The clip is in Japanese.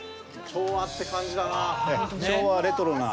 昭和って感じだな。